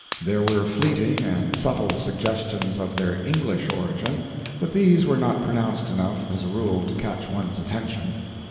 There were fleeting and subtle suggestions of their English origin, but these were not pronounced enough, as a rule, to catch one's attention.